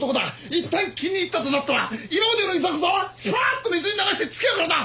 いったん気に入ったとなったら今までのいざこざはスパッと水に流してつきあうからな。